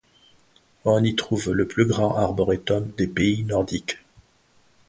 On y trouve le plus grand arboretum des pays nordiques.